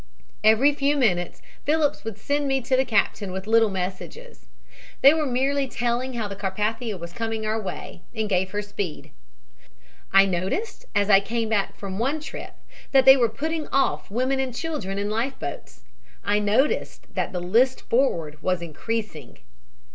"Every few minutes Phillips would send me to the captain with little messages. They were merely telling how the Carpathia was coming our way and gave her speed. "I noticed as I came back from one trip that they were putting off women and children in life boats. I noticed that the list forward was increasing.